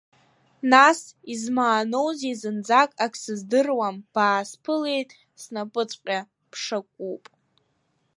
Нас, измааноузеи, зынӡак ак сыздыруам, баасԥылеит, снапыҵәҟьа ԥшакуп…